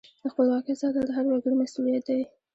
د خپلواکۍ ساتل د هر وګړي مسؤلیت دی.